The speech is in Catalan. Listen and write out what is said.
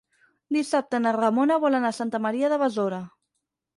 Dissabte na Ramona vol anar a Santa Maria de Besora.